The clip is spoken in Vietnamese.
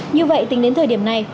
như vậy tính đến thời điểm này